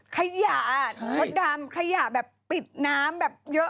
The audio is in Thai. ขยะวัดดำขยะปิดน้ำเยอะมากแค่นี้แหละ